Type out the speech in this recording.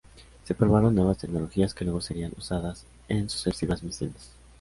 Se probaron nuevas tecnologías que luego serían usadas en sucesivas misiones.